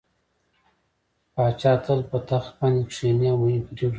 پاچا تل په تخت باندې کيني او مهمې پرېکړې پرې کوي.